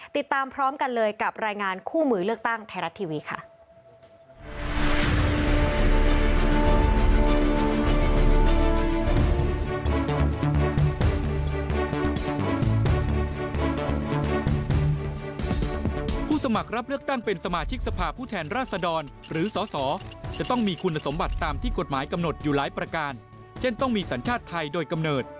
ติดตามพร้อมกันเลยกับรายงานคู่มือเลือกตั้งไทยรัฐทีวีค่ะ